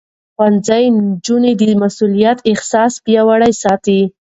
ښوونځی نجونې د مسؤليت احساس پياوړې ساتي.